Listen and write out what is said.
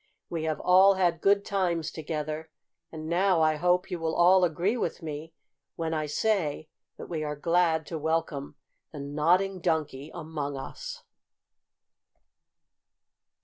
We have all had good times together, and now I hope you will all agree with me when I say that we are glad to welcome the Nodding Donkey among us."